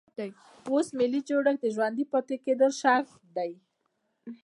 اوس ملي جوړښت د ژوندي پاتې کېدو شرط دی.